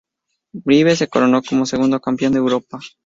Brive se coronó como segundo Campeón de Europa.